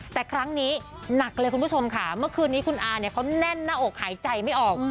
แต่ครั้งนี้หนักเลยคุณผู้ชมค่ะเมื่อคืนนี้คุณอาเนี่ยเขาแน่นหน้าอกหายใจไม่ออก